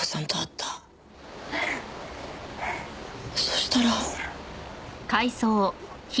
そしたら。